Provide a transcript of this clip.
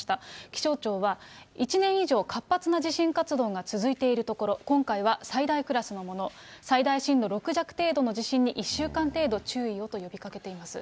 気象庁は、１年以上活発な地震活動が続いている所、今回は最大クラスのもの、最大震度６弱程度の地震に１週間程度注意をと呼びかけています。